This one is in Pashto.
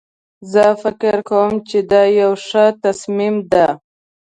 زه فکر کوم چې دا یو ښه تصمیم ده